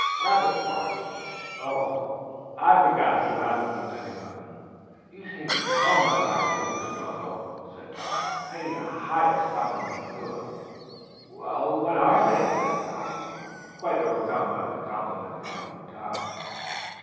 "Rabbit warrens; oh, I forgot, you haven't lived in England. You seem so much like an English girl, though," said Tom, paying the highest compliment he knew of. "Well, what are they?" asked Polly, quite overcome by the compliment coming from Tom.